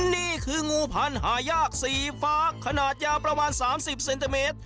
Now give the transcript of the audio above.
นี่คืองูพันธุ์หายากสีฟ้าขนาดยาวประมาณ๓๐เซนติเมตร